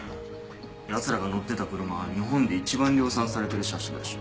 ヤツらが乗ってた車は日本で一番量産されてる車種だし。